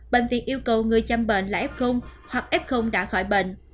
bệnh viện yêu cầu người chăm bệnh là f hoặc f đã khỏi bệnh